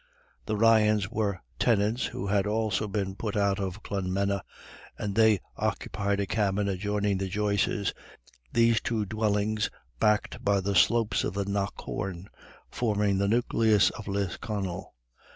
The Ryans were tenants who had also been put out of Clonmena, and they occupied a cabin adjoining the Joyces', these two dwellings, backed by the slopes of the Knockawn, forming the nucleus of Lisconnel.